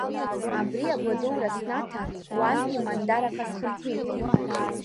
Абри агәадура снаҭан, уантәи Мандараҟа схынҳәит.